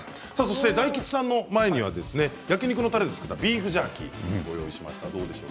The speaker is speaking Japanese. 大吉さんの前には焼き肉のたれで作ったビーフジャーキーをご用意しました。